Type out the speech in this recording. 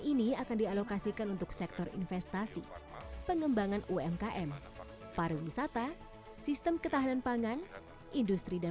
ini akan dialokasikan untuk sektor investasi pengembangan umkm pariwisata sistem ketahanan pangan industri dan